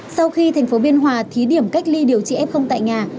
sau khi thành phố biên hòa thí điểm cách ly điều trị f tại nhà